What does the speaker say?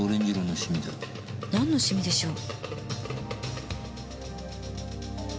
なんのシミでしょう？